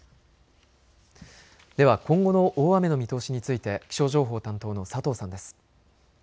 では今後の大雨の見通しについて気象情報担当の佐藤さんです。